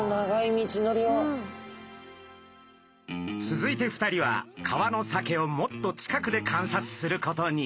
続いて２人は川のサケをもっと近くで観察することに。